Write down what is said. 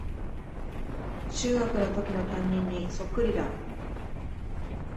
中学のときの担任にそっくりだ